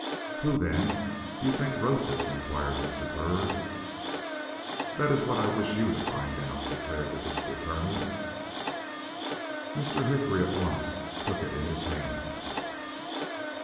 "Who, then, do you think wrote this?" inquired Mr. Byrd. "That is what I wish you to find out," declared the District Attorney. Mr. Hickory at once took it in his hand.